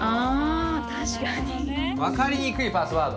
わかりにくいパスワード。